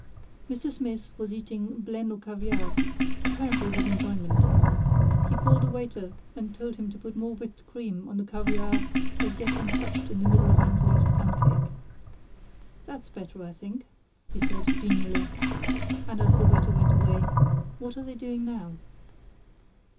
Mr. Smith was eating blennes au caviar apparently with enjoyment. He called a waiter and told him to put more whipped cream on the caviare as yet untouched in the middle of Annesley's pancake. "That's better, I think," he said, genially. And as the waiter went away, "What are they doing now?"